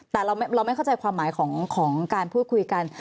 แต่เราไม่เข้าใจความหมายของการพูดคุยกัน